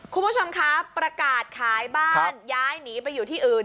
คุณผู้ชมคะประกาศขายบ้านย้ายหนีไปอยู่ที่อื่น